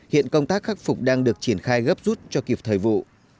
hiện công tác khắc phục đang được triển khai gấp rút cho kịp thời vụ